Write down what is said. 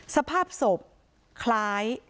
สภาพศพคล้าย